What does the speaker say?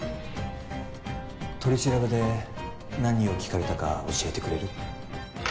取り調べで何を聞かれたか教えてくれる？